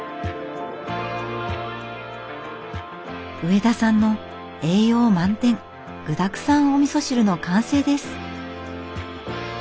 植田さんの栄養満点具だくさんおみそ汁の完成です。